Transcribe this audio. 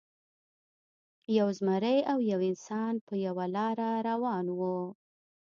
یو زمری او یو انسان په یوه لاره روان وو.